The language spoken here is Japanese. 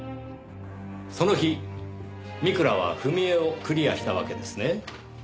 その日美倉は踏み絵をクリアしたわけですね。